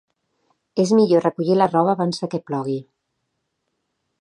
És millor recollir la roba abans de que plogui.